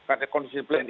ada kondisi plan